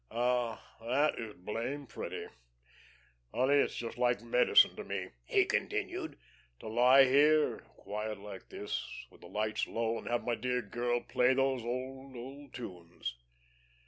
"Ah, that is blame pretty. Honey, it's just like medicine to me," he continued, "to lie here, quiet like this, with the lights low, and have my dear girl play those old, old tunes.